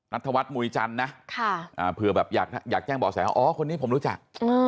ธวัฒนมุยจันทร์นะเผื่อแบบอยากแจ้งบ่อแสว่าอ๋อคนนี้ผมรู้จัก